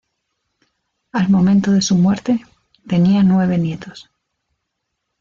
Al momento de su muerte, tenía nueve nietos.